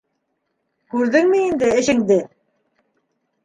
Күрҙеңме инде эшеңде?